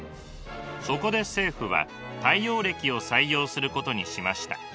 そこで政府は太陽暦を採用することにしました。